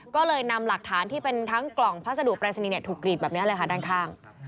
ก็เลยนำหลักฐานที่เป็นทั้งกล่องพัสดุปรายศนีย์ถูกกรีดแบบนี้เลยค่ะด้านข้าง